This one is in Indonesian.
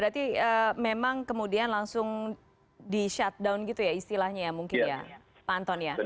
jadi itu langsung di shut down gitu ya istilahnya ya mungkin ya pak anton ya